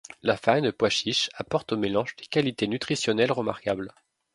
La farine de pois chiche apporte au mélange des qualités nutritionnelles remarquables.